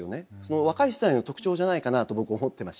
若い世代の特徴じゃないかなと僕思ってまして。